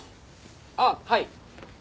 あっはい。